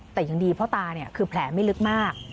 แต่ยังดีพ่อตาคือแผลไม่ลึกมาก